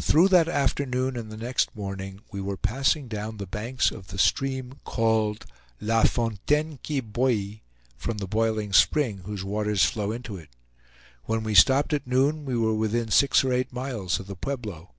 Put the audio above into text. Through that afternoon and the next morning we were passing down the banks of the stream called La Fontaine qui Bouille, from the boiling spring whose waters flow into it. When we stopped at noon, we were within six or eight miles of the Pueblo.